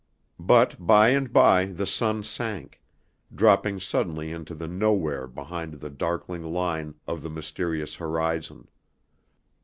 But by and by the sun sank, dropping suddenly into the Nowhere behind the darkling line of the mysterious horizon.